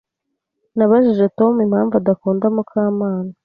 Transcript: Nabajije Tom impamvu adakunda Mukamana.